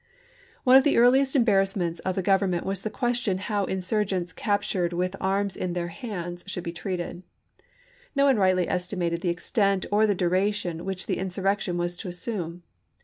446 ABKAHAM LINCOLN chap xvi. One of the earliest embarrassments of the Gov ernment was the question how insurgents captured with arms in their hands should be treated. No one rightly estimated the extent or the duration which the insurrection was to assume.